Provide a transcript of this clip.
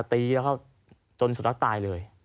ตีแล้วจนสุดรักษ์ตายเลย